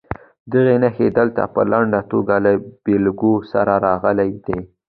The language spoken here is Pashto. دغه نښې دلته په لنډه توګه له بېلګو سره راغلي دي.